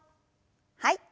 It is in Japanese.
はい。